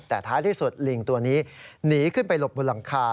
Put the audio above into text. แต่ท้ายที่สุดลิงตัวนี้หนีขึ้นไปหลบบนหลังคา